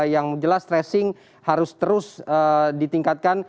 yang jelas tracing harus terus ditingkatkan